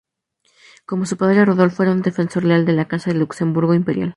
Como su padre, Rodolfo era un defensor leal de la Casa de Luxemburgo imperial.